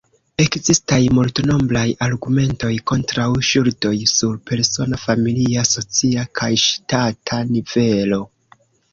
Ekzistaj multnombraj argumentoj kontraŭ ŝuldoj sur persona, familia, socia kaj ŝtata nivelo.